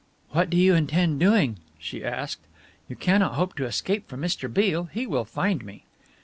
"What do you intend doing?" she asked. "You cannot hope to escape from Mr. Beale. He will find me."